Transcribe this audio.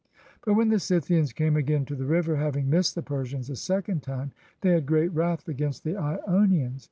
But when the Scythians came again to the river, hav ing missed the Persians a second time, they had great wrath against the lonians.